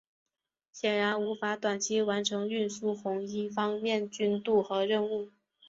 显然无法短期完成运输红一方面军渡河任务。